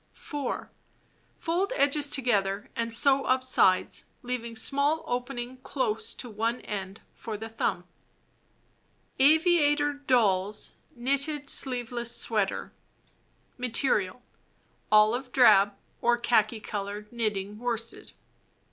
4. Fold edges together and sew up sides, leaving small opening close to one end for the thumb. Aviator Doll's Knitted Sleeveless Sweater Material: Olive drab or khaki color knitting worsted.